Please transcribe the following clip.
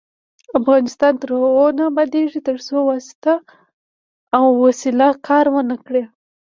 افغانستان تر هغو نه ابادیږي، ترڅو واسطه او وسیله کار ونه کړي.